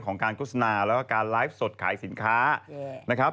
การโฆษณาแล้วก็การไลฟ์สดขายสินค้านะครับ